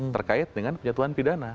terkait dengan penjatuhan pidana